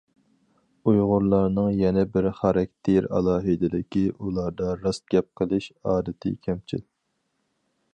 ئۇيغۇرلارنىڭ يەنە بىر خاراكتېر ئالاھىدىلىكى ئۇلاردا راست گەپ قىلىش ئادىتى كەمچىل.